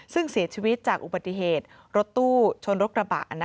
ซึ่งเสียชีวิตจากอุบัติเหตุรถตู้ชนรถกระบะ